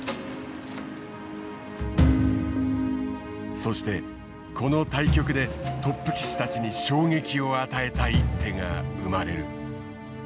そしてこの対局でトップ棋士たちに衝撃を与えた一手が生まれる。